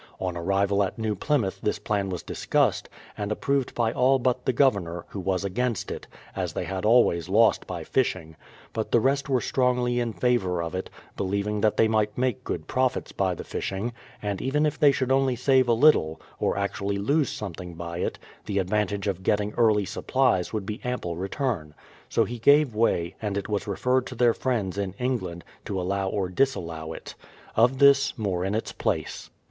On arrival at New Plymouth this plan was discussed, and approved by all but the Governor, who was against it, as they had always lost by fishing; but the rest were strongly in favour of it, believing that they might make good profits by the fish ing; and even if they should only save a little, or actually lose something by it, the advantage of getting early sup plies would be ample return. So he gave way, and it was referred to their friends in England, to allow or dis allow it. Of this, more in its place.